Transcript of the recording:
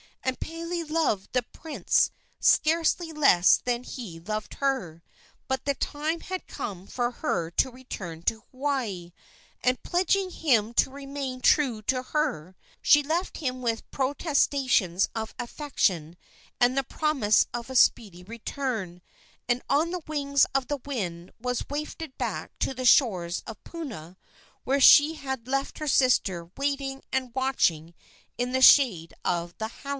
And Pele loved the prince scarcely less than he loved her; but the time had come for her return to Hawaii, and, pledging him to remain true to her, she left him with protestations of affection and the promise of a speedy return, and on the wings of the wind was wafted back to the shores of Puna, where she had left her sister waiting and watching in the shade of the hala.